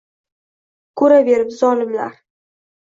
Ko’raverib zolimlar.